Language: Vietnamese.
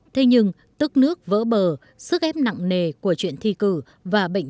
thế nhưng tức nước vỡ bờ sức ép nặng nề của chuyện thi cử và bệnh